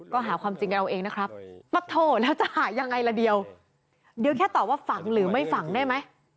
ก็หาความจริงกันเอาเองนะครับปักโถแล้วจะหายังไงละเดียวเดี๋ยวแค่ตอบว่าฝังหรือไม่ฝังได้ไหม